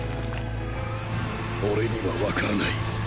俺には分からない。